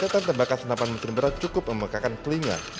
rencetan tembakan senapan mesin berat cukup membekakan kelinga